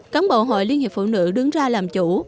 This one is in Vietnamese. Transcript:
cán bộ hội liên hiệp phụ nữ đứng ra làm chủ